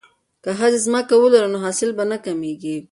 که ښځې ځمکه ولري نو حاصل به نه کمیږي.